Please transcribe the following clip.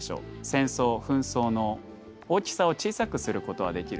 戦争紛争の大きさを小さくすることはできる。